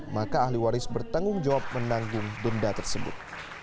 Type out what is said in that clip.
maka ahli waris bertanggung jawab menanggung denda tersebut